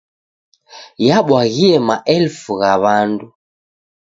Yabwaghie maelfu gha w'andu.